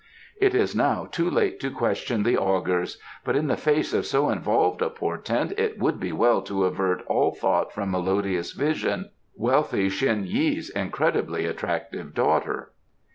"It is now too late to question the augurs. But in the face of so involved a portent it would be well to avert all thought from Melodious Vision, wealthy Shen Yi's incredibly attractive daughter."